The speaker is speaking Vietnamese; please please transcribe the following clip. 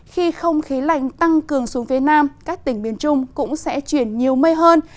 khi không khí lạnh tăng cường xuống phía nam các tỉnh miền trung cũng sẽ chuyển nhiều mây hơn